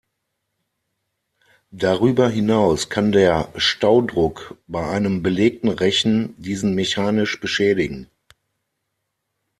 Darüber hinaus kann der Staudruck bei einem belegten Rechen diesen mechanisch beschädigen.